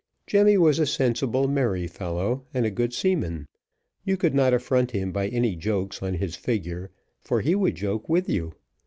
Jemmy was a sensible, merry fellow, and a good seaman: you could not affront him by any jokes on his figure, for he would joke with you.